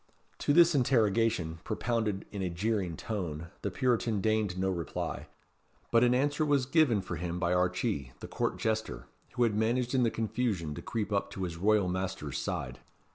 To this interrogation, propounded in a jeering tone, the Puritan deigned no reply; but an answer was given for him by Archee, the court jester, who had managed in the confusion to creep up to his royal master's side.